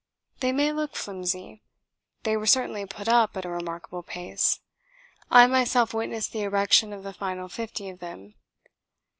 They may look flimsy. They were certainly put up at a remarkable pace. I myself witnessed the erection of the final fifty of them.